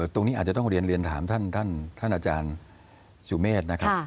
ตรงนี้อาจจะต้องเรียนถามท่านอาจารย์สุเมฆนะครับ